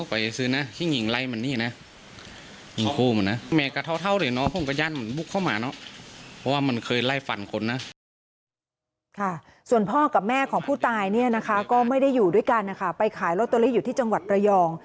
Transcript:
ก็ใช้แบบนี้นะครับส่วนพ่อกับแม่ของผู้ตายเนี่ยนะคะก็ไม่ได้อยู่ด้วยกันนะคะไปขายรถไลฟ์อยู่ที่จังหวัดประยอง